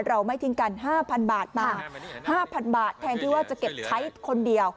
เราไม่ทิ้งกันห้าพันบาทมาห้าพันบาทแทนที่ว่าจะเก็บใช้คนเดียว